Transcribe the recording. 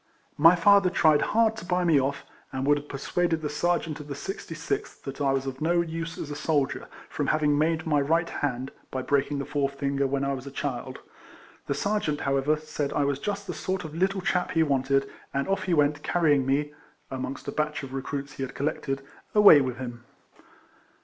My father tried hard to buy me off, and RIFLEMAN HARRIS. 3 would have persuaded the Serjeant of the 66th that I was of no use as a soldier, from having maimed my right hand (by breaking the fore finger when a child). The Serjeant, however, said I was just the sort of little chap he wanted, and off he went, carrying me (amongst a batch of recruits he had col lected) away with him.